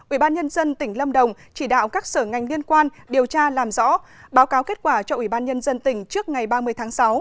ubnd tỉnh lâm đồng chỉ đạo các sở ngành liên quan điều tra làm rõ báo cáo kết quả cho ubnd tỉnh trước ngày ba mươi tháng sáu